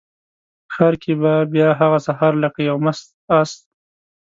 ښار کې به بیا هغه سهار لکه یو مست آس،